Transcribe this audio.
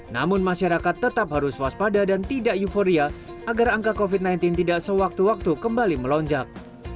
namun masyarakat tetap harus waspada dan tidak euforia agar angka covid sembilan belas tidak sewaktu waktu kembali melonjak